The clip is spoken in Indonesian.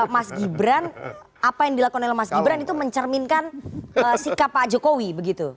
mas gibran apa yang dilakukan oleh mas gibran itu mencerminkan sikap pak jokowi begitu